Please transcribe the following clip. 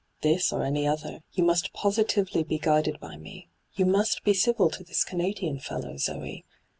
— This or any other), you must positively be guided by me. You must be civil to this Canadian fellow, Zoe.